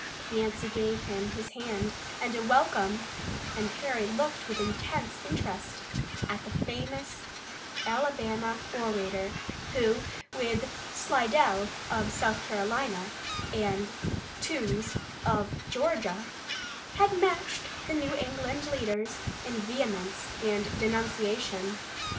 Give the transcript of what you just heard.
Yancey gave him his hand and a welcome, and Harry looked with intense interest at the famous Alabama orator, who, with Slidell, of South Carolina, and Toombs of Georgia, had matched the New England leaders in vehemence and denunciation.